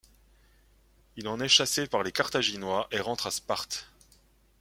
Il en est chassé par les Carthaginois et rentre à Sparte.